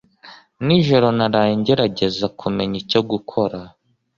Nijoro naraye ngerageza kumenya icyo gukora.